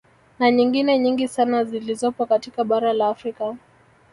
Na nyingine nyingi sana zilizopo katika bara la Afrika